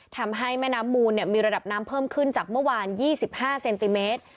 ทำให้แม่น้ำมูลมีระดับน้ำเพิ่มขึ้นจากเมื่อวาน๒๕เซนติเมตร